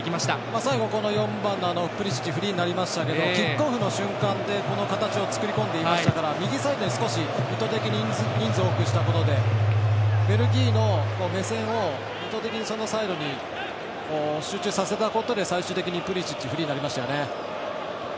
最後フリーになりましたけどキックオフの瞬間でこの形を作り込んでましたから右サイドに意図的に人数を多くしたことでベルギーの目線を意図的にサイドに集中させたことで最終的にペリシッチフリーになりましたよね。